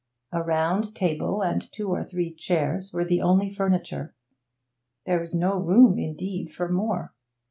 A round table and two or three chairs were the only furniture there was no room, indeed, for more.